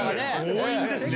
強引ですね。